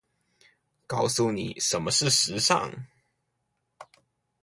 告訴妳什麼是時尚